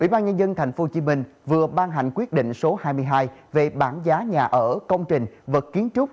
ủy ban nhân dân tp hcm vừa ban hành quyết định số hai mươi hai về bảng giá nhà ở công trình vật kiến trúc